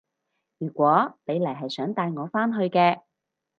如果你嚟係想帶我返去嘅